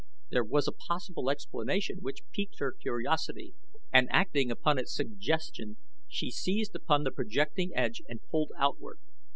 There was a possible explanation which piqued her curiosity, and acting upon its suggestion she seized upon the projecting edge and pulled outward.